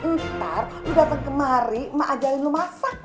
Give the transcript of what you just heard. ntar lo datang kemari emak ajarin lo masak